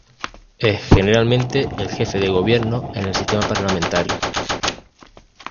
Es generalmente el jefe de Gobierno en el sistema parlamentario.